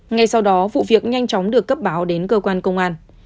ngay sau đó vụ việc nhanh chóng được cấp báo đến cơ quan công an